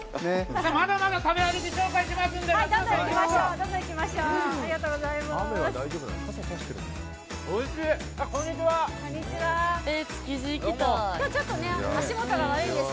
まだまだ食べ歩き紹介しますので。